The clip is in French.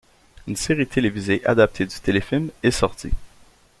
Une série télévisée adaptée du téléfilm est sortie.